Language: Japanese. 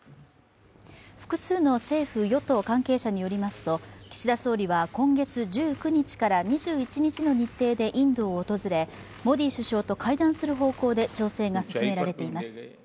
複数の政府・与党関係者によりますと岸田総理は今月１９日から２１日の日程でインドを訪れモディ首相と会談する方向で調整が進められています。